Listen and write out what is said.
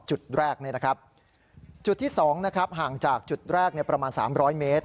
จุดแรกจุดที่๒ห่างจากจุดแรกประมาณ๓๐๐เมตร